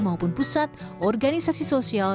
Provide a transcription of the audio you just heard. maupun pusat organisasi sosial